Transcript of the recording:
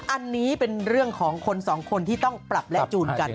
อันนี้เป็นเรื่องของคนสองคนที่ต้องปรับและจูนกัน